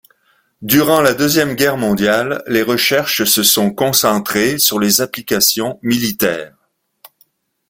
Durant la Deuxième Guerre mondiale, les recherches se sont concentrées sur les applications militaires.